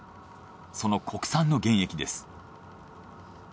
その国産の原液です。